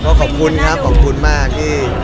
ก็ขอบคุณครับขอบคุณมากที่